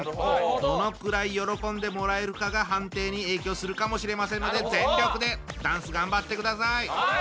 どのくらい喜んでもらえるかが判定に影響するかもしれませんので全力でダンス頑張ってください。